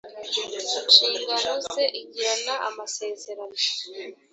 nshingano ze igirana amasezerano